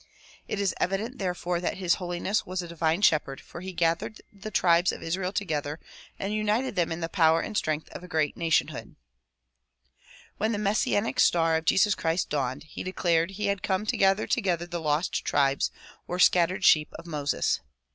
It is evident therefore that His Holiness was a divine shepherd for he gathered the tribes of Israel together and united them in the power and strength of a great nationhood. "When the Messianic star of Jesus Christ dawned, he declared he had come to gather together the lost tribes or scattered sheep of Moses.